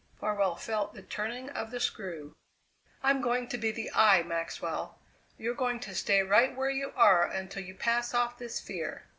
Farwell felt the turning of the screw. "I'm going to be the eye, Maxwell. You're going to stay right where you are until you pass off this sphere.